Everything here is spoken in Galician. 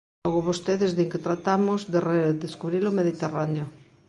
Logo vostedes din que tratamos de redescubrir o Mediterráneo.